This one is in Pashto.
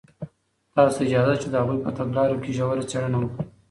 تاسو ته اجازه ده چې د هغوی په تګلارو کې ژوره څېړنه وکړئ.